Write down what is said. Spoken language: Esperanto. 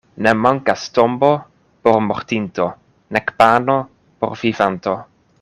Ne mankas tombo por mortinto nek pano por vivanto.